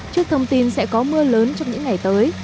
trước thông tin sẽ có mưa lớn trong những ngày tới